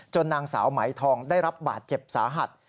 นางสาวไหมทองได้รับบาดเจ็บสาหัส